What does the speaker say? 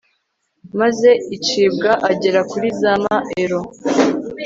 maze icibwa agera kuri z'ama euro